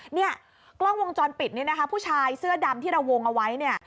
เนี่ยกล้องวงจรปิดนี่นะคะผู้ชายเสื้อดำที่เราวงเอาไว้เนี่ย